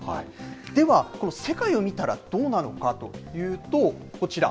では世界を見たら、どうなのかというと、こちら。